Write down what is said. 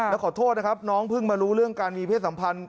แล้วขอโทษนะครับน้องเพิ่งมารู้เรื่องการมีเพศสัมพันธ์